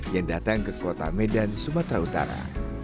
yang datang ke kota medan sumatera utara